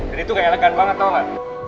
jadi tuh ga elegan banget tau gak